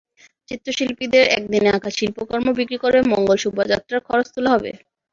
চিত্রশিল্পীদের একদিনে আঁকা শিল্পকর্ম বিক্রি করে মঙ্গল শোভাযাত্রার খরচ তোলা হবে।